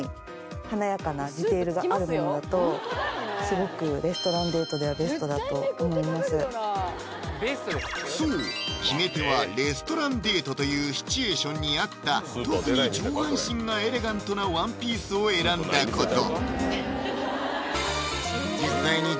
スゴくそう決め手はレストランデートというシチュエーションに合った特に上半身がエレガントなワンピースを選んだこと実際に